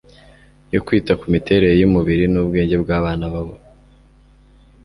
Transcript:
yo kwita ku miterere yumubiri nubwenge byabana babo